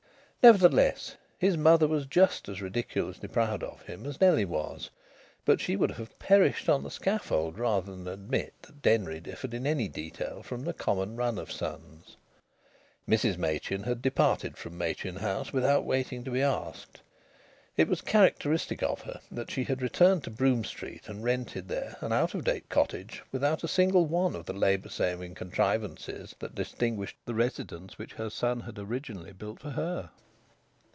Nevertheless, his mother was just as ridiculously proud of him as Nellie was; but she would have perished on the scaffold rather than admit that Denry differed in any detail from the common run of sons. Mrs Machin had departed from Machin House without waiting to be asked. It was characteristic of her that she had returned to Brougham Street and rented there an out of date cottage without a single one of the labour saving contrivances that distinguished the residence which her son had originally built for her.